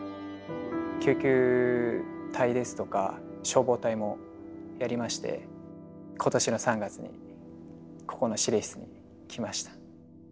救急隊ですとか消防隊もやりまして今年の３月にここの指令室に来ました。